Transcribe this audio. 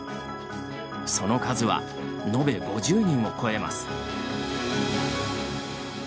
その数は、のべ５０人を超えます。